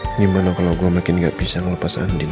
bagaimana kalau gue makin tidak bisa melepas andin